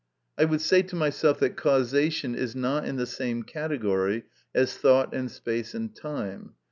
I would say to myself that causation is not in the same category as thought and space and time.